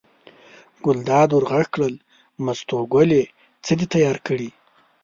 ګلداد ور غږ کړل: مستو ګلې څه دې پاخه کړي.